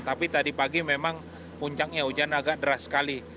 tapi tadi pagi memang puncaknya hujan agak deras sekali